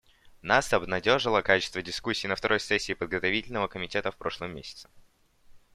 Нас обнадежило качество дискуссии на второй сессии Подготовительного комитета в прошлом месяце.